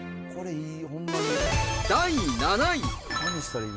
第７位。